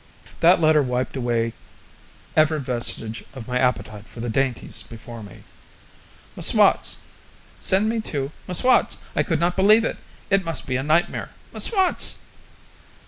That letter wiped away ever vestige of my appetite for the dainties before me. M'Swat's! Send me to M'Swat's! I could not believe it! It must be a nightmare! M'Swat's!